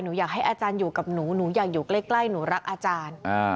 อยากให้อาจารย์อยู่กับหนูหนูอยากอยู่ใกล้หนูรักอาจารย์